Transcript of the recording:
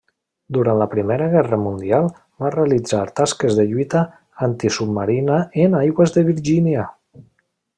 Durant la Primera Guerra Mundial va realitzar tasques de lluita antisubmarina en aigües de Virgínia.